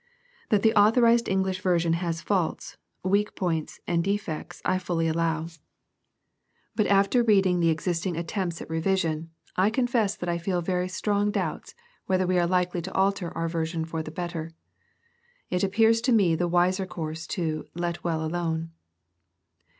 That the authorized English version has faults, weak points, and defects, I fully allow. But after reading PREFACE. T the existiDg attempts at revision^ I confess that I feel very strong doubts whether we are likely to alter our version for the better. It appears to me the wiser course to " let well alone."